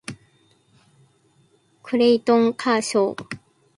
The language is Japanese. クレイトン・カーショー